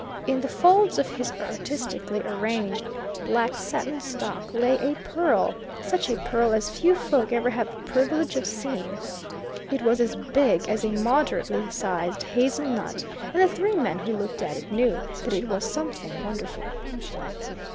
In the folds of his artistically arranged black satin stock lay a pearl such a pearl as few folk ever have the privilege of seeing. It was as big as a moderately sized hazel nut, and the three men who looked at it knew that it was something wonderful.